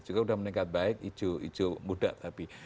juga sudah meningkat baik hijau hijau muda tapi